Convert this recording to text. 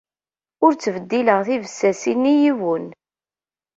Ur ttbeddileɣ tibessasin i yiwen.